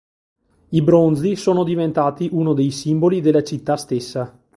I "Bronzi" sono diventati uno dei simboli della città stessa.